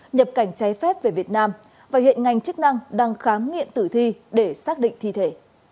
nhập cảnh trái phép về việt nam và hiện ngành chức năng đang khám nghiệm tử thi để xác định thi thể